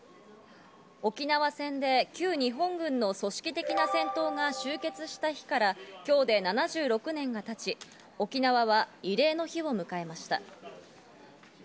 沖縄戦で旧日本軍の組織的な戦闘が終結した日から今日で７６年が経ち、沖縄は慰霊の日を迎えました。